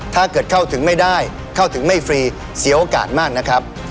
ถ้าเกิดเข้าถึงไม่ได้เข้าถึงไม่ฟรีเสียโอกาสมากนะครับ